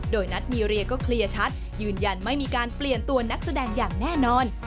โดยนัทมีเรียก็เคลียร์ชัดยืนยันไม่มีการเปลี่ยนตัวนักแสดงอย่างแน่นอน